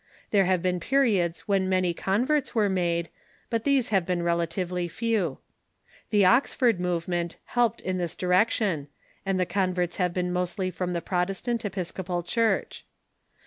There have been periods when many converts were made, but these have been relatively few. The Oxford Movement helped in this direc THE ROMAN CATHOLIC CHURCH ' 543 tion, and the converts have been mostly from the Protestant Episcopal Church.